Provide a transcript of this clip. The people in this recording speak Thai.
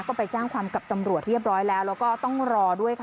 ก็ไปแจ้งความกับตำรวจเรียบร้อยแล้วแล้วก็ต้องรอด้วยค่ะ